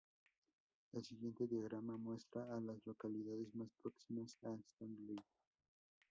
El siguiente diagrama muestra a las localidades más próximas a Stanley.